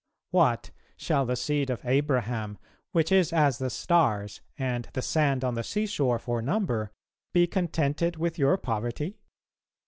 What! shall the seed of Abraham, which is as the stars and the sand on the seashore for number, be contented with your poverty?